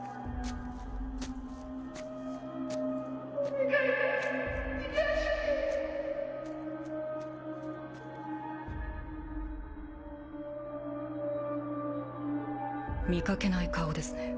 逃がして見かけない顔ですね